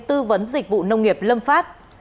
tư vấn dịch vụ nông nghiệp lâm pháp